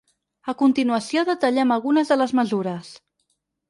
A continuació detallem algunes de les mesures.